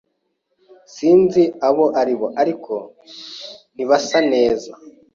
S Sinzi abo ari bo, ariko ntibasa neza.